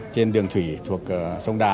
trên đường thủy thuộc sông đà